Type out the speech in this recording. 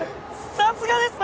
さすがです！